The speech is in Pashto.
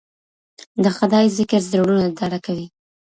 د خدای ذکر زړونه ډاډه کوي